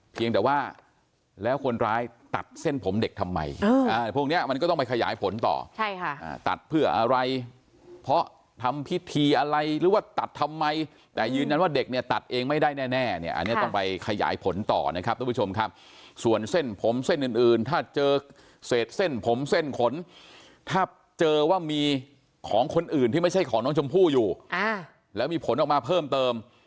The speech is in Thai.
แต่ว่าแล้วคนร้ายตัดเส้นผมเด็กทำไมพวกนี้มันก็ต้องไปขยายผลต่อใช่ค่ะตัดเพื่ออะไรเพราะทำพิธีอะไรหรือว่าตัดทำไมแต่ยืนยันว่าเด็กเนี่ยตัดเองไม่ได้แน่เนี่ยอันนี้ต้องไปขยายผลต่อนะครับทุกผู้ชมครับส่วนเส้นผมเส้นอื่นถ้าเจอเศษเส้นผมเส้นขนถ้าเจอว่ามีของคนอื่นที่ไม่ใช่ของน้องชมพู่อยู่แล้วมีผลออกมาเพิ่มเติม